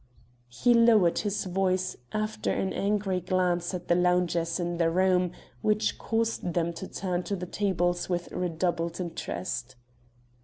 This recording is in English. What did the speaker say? He lowered his voice, after an angry glance at the loungers in the room, which caused them to turn to the tables with redoubled interest.